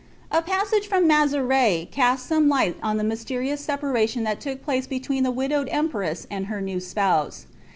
A passage from Mezerai casts some light on the mysterious separation that took place between the widowed empress and her new spouse.